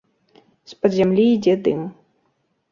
З-пад зямлі ідзе дым.